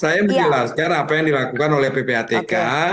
saya menjelaskan apa yang dilakukan oleh ppatk